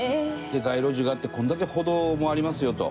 で街路樹があってこれだけ歩道もありますよと。